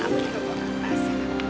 kenapa juga bawa kertas